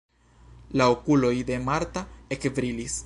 La okuloj de Marta ekbrilis.